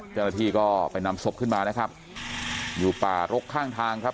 เจ้าหน้าที่ก็ไปนำศพขึ้นมานะครับอยู่ป่ารกข้างทางครับ